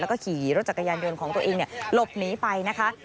แล้วก็ขี่รถจักรยานยนต์ของตัวเองหลบหนีไปนะคะ